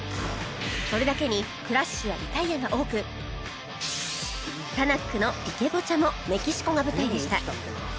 それだけにクラッシュやリタイアが多くタナックの池ポチャもメキシコが舞台でした